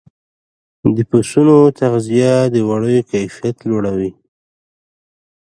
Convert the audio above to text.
د پسونو تغذیه د وړیو کیفیت لوړوي.